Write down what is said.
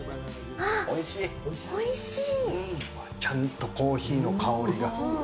おいしい。